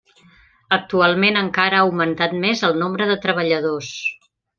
Actualment encara ha augmentat més el nombre de treballadors.